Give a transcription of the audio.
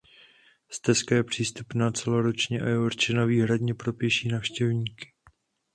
Stezka je přístupná celoročně a je určena výhradně pro pěší návštěvníky.